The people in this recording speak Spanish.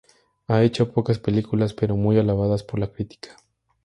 Ha hecho pocas películas, pero muy alabadas por la crítica.